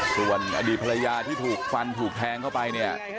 ส่วนอดีตภรรยาที่ถูกฟันถูกแทงเข้าไปเนี่ย